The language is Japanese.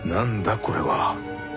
これは。